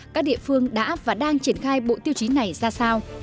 các địa phương đã và đang triển khai bộ tiêu chí này ra sao